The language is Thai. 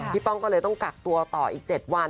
ป้องก็เลยต้องกักตัวต่ออีก๗วัน